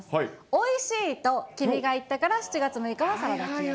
おいしいと君が言ったから、七月六日はサラダ記念日。